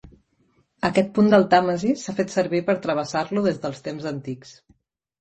Aquest punt del Tàmesi s'ha fet servir per travessar-lo des dels temps antics.